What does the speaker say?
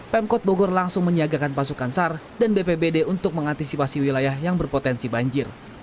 pemkot bogor langsung menyiagakan pasukan sar dan bpbd untuk mengantisipasi wilayah yang berpotensi banjir